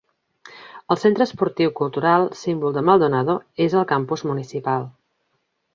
El centre esportiu cultural, símbol de Maldonado, és el Campus Municipal.